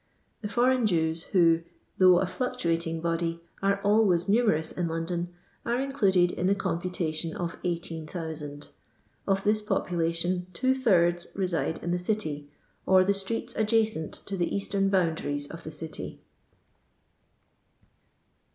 The foreign Jews who, though a fluctuating body, are always numerous in London, are included in the compu tation of 18,000; of this population two thirds reside in the city, or the streets adjacent to the eastern boundaries of the city.